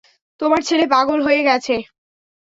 তোমার ছেলে পাগল হয়ে গেছে।